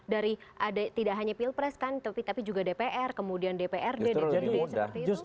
dari ada tidak hanya pilpres kan tapi juga dpr kemudian dprd dpd seperti itu